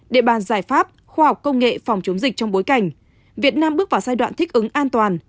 địa bàn giải pháp khoa học công nghệ phòng chống dịch trong bối cảnh việt nam bước vào giai đoạn thích ứng an toàn